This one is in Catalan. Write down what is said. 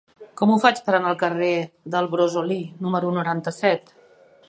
Com ho faig per anar al carrer del Brosolí número noranta-set?